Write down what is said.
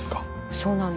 そうなんです。